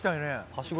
はしご